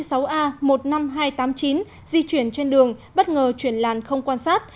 xe ô tô a một mươi năm nghìn hai trăm tám mươi chín di chuyển trên đường bất ngờ chuyển làn không quan sát